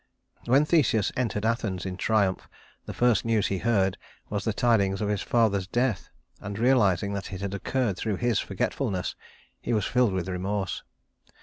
When Theseus entered Athens in triumph, the first news he heard was the tidings of his father's death; and realizing that it had occurred through his forgetfulness, he was filled with remorse.